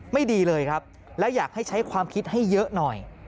ไม่ดีเลยครับและอยากให้ใช้ความคิดให้เยอะหน่อย